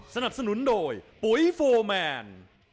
สนับสนุนโดยปุ๋ยโฟร์แมน